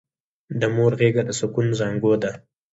د مور غېږه د سکون زانګو ده!